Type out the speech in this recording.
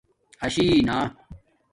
آشی نہ